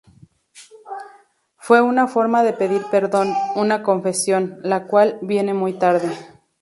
Fue una forma de pedir perdón "una confesión... la cual, viene muy tarde...